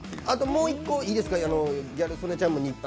あと、もう１個いいですか。